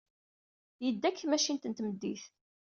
Yedda deg tmacint n tmeddit.